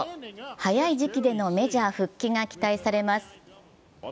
早い時期でのメジャー復帰が期待されます。